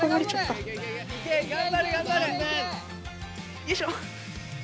よいしょ。